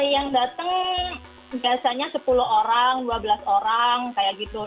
yang datang biasanya sepuluh orang dua belas orang kayak gitu